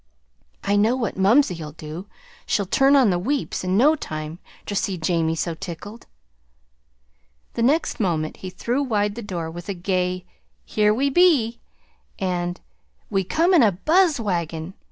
"I know what mumsey'll do she'll turn on the weeps in no time ter see Jamie so tickled." The next moment he threw wide the door with a gay: "Here we be an' we come in a buzz wagon!